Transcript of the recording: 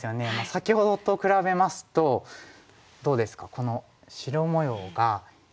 先ほどと比べますとどうですかこの白模様が何かこの一手で。